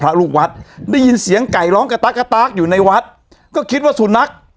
ลูกวัดได้ยินเสียงไก่ร้องกระตั๊กกระตากอยู่ในวัดก็คิดว่าสุนัข